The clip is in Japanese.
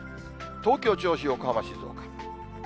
東京、銚子、横浜、静岡。